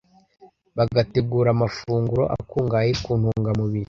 bagategura amafunguro akungahaye ku ntungamubiri